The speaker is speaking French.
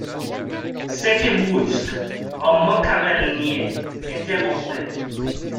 Sec et brusque, Armand Carel niait, interrompait.